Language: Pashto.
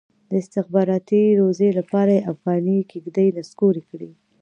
د استخباراتي روزۍ لپاره یې افغاني کېږدۍ نسکورې کړي.